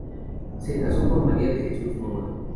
Se casó con María de Jesús Nova.